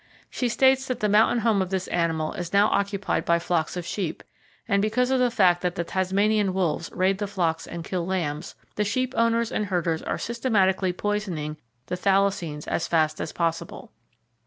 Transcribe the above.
She states that the mountain home of this animal is now occupied by flocks of sheep, and because of the fact that the "Tasmanian wolves" raid the flocks and kill lambs, the sheep owners and herders are systematically poisoning the thylacines as fast as possible.